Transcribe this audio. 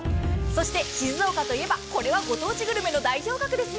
静岡といえばこれはご当地グルメの代表格ですね。